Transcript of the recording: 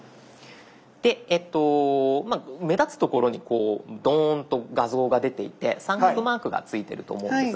で目立つ所にこうドーンと画像が出ていて三角マークがついてると思うんです。